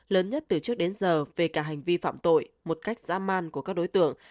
lớn nhất từ trước đến giờ về cả hành vi phạm tội một cách dã man của các đối tượng